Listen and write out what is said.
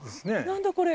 何だこれ？